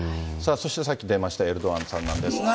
そしてさっき出ました、エルドアンさんなんですが。